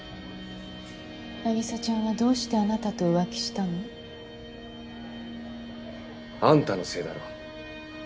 凪沙ちゃんはどうしてあなたと浮気しあんたのせいだろ。